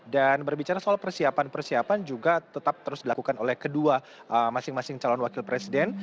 dan berbicara soal persiapan persiapan juga tetap terus dilakukan oleh kedua masing masing calon wakil presiden